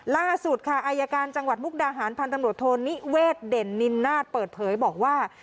ล่าสุดค่ะอายการจังหวัดมุกดาหารพันธ์ตำรวจโทนิเวศเด่นนินนาฏเปิดเผยบอกว่า